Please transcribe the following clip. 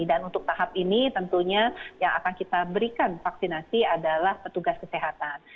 dan untuk tahap ini tentunya yang akan kita berikan vaksinasi adalah petugas kesehatan